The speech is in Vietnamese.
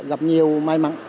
gặp nhiều may mắn